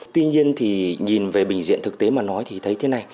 tuy nhiên thì nhìn về bình diện thực tế mà nói thì thấy thế này